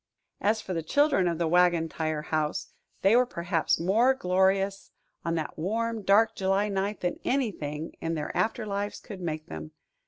As for the children of the Wagon Tire House, they were perhaps more glorious on that warm, dark July night than anything in their after lives could make them.